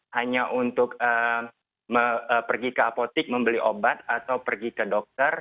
hanya untuk pergi ke apotik membeli obat atau pergi ke dokter